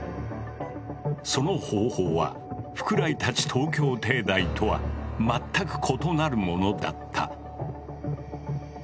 その方法は福来たち東京帝大とは全く異なるものだった。